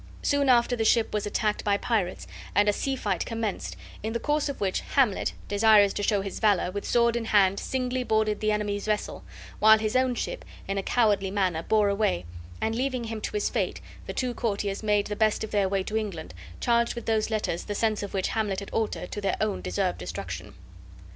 Soon after the ship was attacked by pirates, and a sea fight commenced, in the course of which Hamlet, desirous to show his valor, with sword in hand singly boarded the enemy's vessel; while his own ship, in a cowardly manner, bore away; and leaving him to his fate, the two courtiers made the best of their way to England, charged with those letters the sense of which Hamlet had altered to their own deserved destruction.